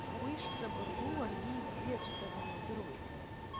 Уи шҵабыргу уаргьы ибзиаҵәҟьаны иудыруеит!